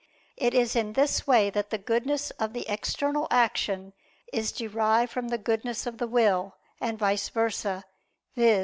It is in this way that the goodness of the external action is derived from the goodness of the will, and vice versa; viz.